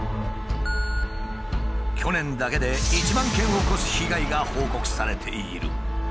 去年だけで１万件を超す被害が報告されている。